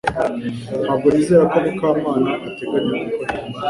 Ntabwo nizera ko Mukamana ateganya gukora ibi